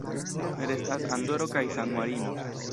Restas Andoro kaj San-Marino.